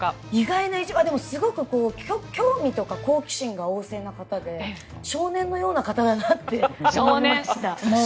すごく、興味とか好奇心が旺盛な方で少年のような方だなって思いました。